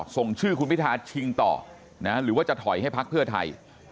ส่งชื่อคุณพิทาชิงต่อหรือว่าจะถอยให้พักเพื่อไทย